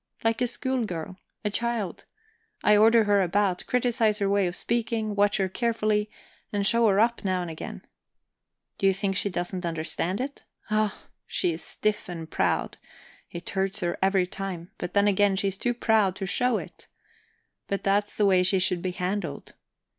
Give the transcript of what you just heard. Like a schoolgirl, a child; I order her about, criticise her way of speaking, watch her carefully, and show her up now and again. Do you think she doesn't understand it? Oh, she's stiff and proud, it hurts her every time; but then again she is too proud to show it. But that's the way she should be handled.